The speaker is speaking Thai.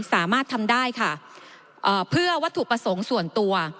สามารถทำได้ค่ะเอ่อเพื่อวัตถุประสงค์ส่วนตัว